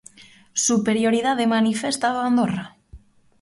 Superioridade manifesta do Andorra.